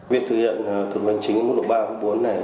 việc thực hiện thủ tục hành chính mức độ ba mức độ bốn này